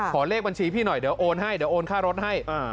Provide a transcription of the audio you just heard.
ขอเลขบัญชีพี่หน่อยเดี๋ยวโอนให้เดี๋ยวโอนค่ารถให้